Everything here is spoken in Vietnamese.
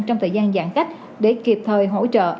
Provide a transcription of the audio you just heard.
trong thời gian giãn cách để kịp thời hỗ trợ